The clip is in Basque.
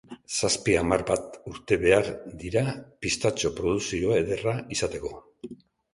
Zazpi-hamar bat urte behar dira pistatxo-produkzio ederra izateko.